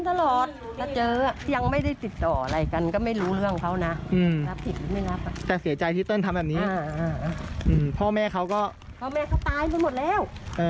แต่เขาก็ไม่ได้คุยอะไรแล้ว